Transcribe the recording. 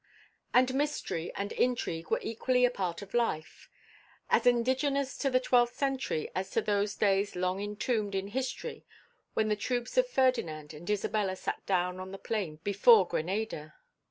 And mystery and intrigue were equally a part of life, as indigenous to the Twentieth Century as to those days long entombed in history when the troops of Ferdinand and Isabella sat down on the plain before Grenada.